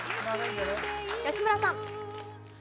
吉村さん。